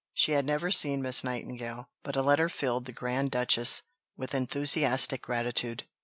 She had never seen Miss Nightingale, but a letter filled the Grand Duchess with enthusiastic gratitude.